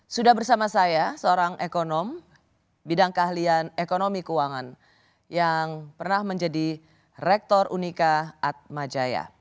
sudah bersama saya seorang ekonom bidang keahlian ekonomi keuangan yang pernah menjadi rektor unika atmajaya